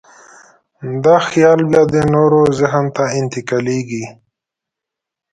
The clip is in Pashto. دا خیال بیا د نورو ذهن ته انتقالېږي.